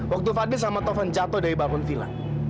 waktu fadil sama taufan jatuh dari bangun villa